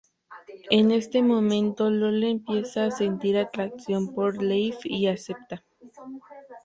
En ese momento Lola empieza a sentir atracción por Leif y acepta.